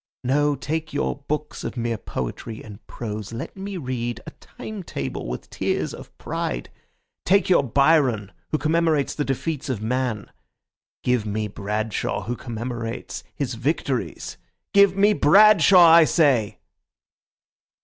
No, take your books of mere poetry and prose; let me read a time table, with tears of pride. Take your Byron, who commemorates the defeats of man; give me Bradshaw, who commemorates his victories. Give me Bradshaw, I say!"